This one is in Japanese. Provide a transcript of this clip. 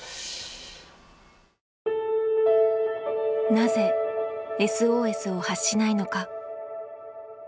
なぜＳＯＳを発しないのか？